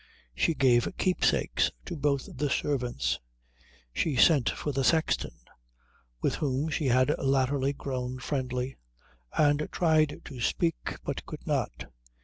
She gave keepsakes to both the servants. She sent for the sexton, with whom she had latterly grown friendly, and tried to speak but could not.